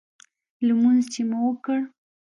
لمونځ چې مو وکړ.